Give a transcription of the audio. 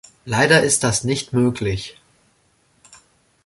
Leider ist das nicht möglich.